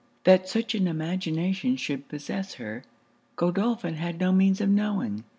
That such an imagination should possess her, Godolphin had no means of knowing.